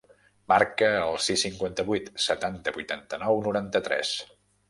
Marca el sis, cinquanta-vuit, setanta, vuitanta-nou, noranta-tres.